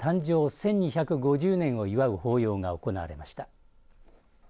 １２５０年を祝う法要が行われました。